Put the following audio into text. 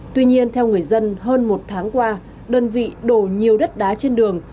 tuy nhiên theo người dân hơn một tháng qua đơn vị đổ nhiều đất đá trên đường